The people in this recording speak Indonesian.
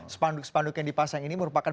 spanduk spanduk yang dipasang ini merupakan